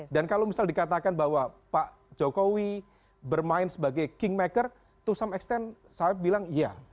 dan kalau misalnya dikatakan bahwa pak jokowi bermain sebagai kingmaker to some extent saya bilang ya